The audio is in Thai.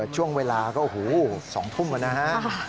ช่วงเวลาก็โอ้โห๒ทุ่มนะฮะ